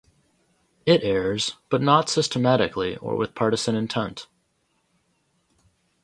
It errs, but not systematically or with partisan intent.